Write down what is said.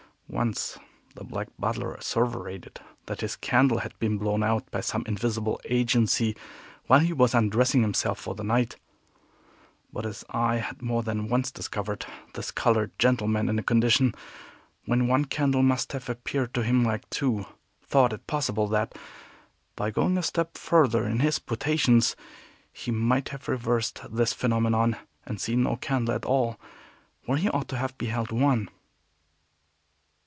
Once the black butler asseverated that his candle had been blown out by some invisible agency while he was undressing himself for the night; but as I had more than once discovered this colored gentleman in a condition when one candle must have appeared to him like two, thought it possible that, by going a step further in his potations, he might have reversed this phenomenon, and seen no candle at all where he ought to have beheld one.